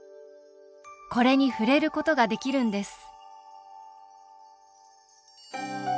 これに触れることができるんです